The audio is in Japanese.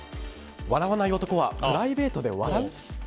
笑わない男はプライベートで笑う？